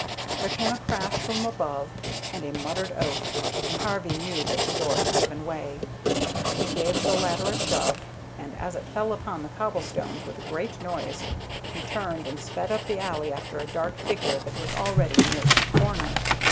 There came a crash from above, and a muttered oath, and Harvey knew that the door had given way. He gave the ladder a shove, and as it fell upon the cobblestones with a great noise, he turned and sped up the alley after a dark figure that was already near to the corner.